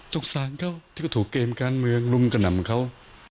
สงสารเขาที่ก็ถูกเกมการเมืองรุมกระหน่ำเขา